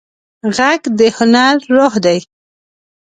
غږ د هنر روح دی